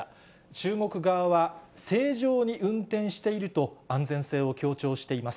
中国側は、正常に運転していると、安全性を強調しています。